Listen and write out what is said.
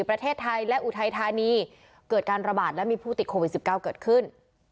ประเทศไทยและอุทัยธานีเกิดการระบาดและมีผู้ติดโควิด๑๙เกิดขึ้น